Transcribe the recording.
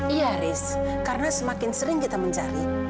iya riz karena semakin sering kita mencari